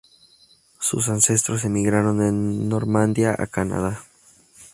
Sus ancestros emigraron de Normandía a Canadá.